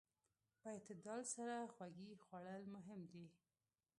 په اعتدال سره خوږې خوړل مهم دي.